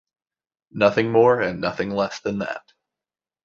Nothing more and nothing less than that.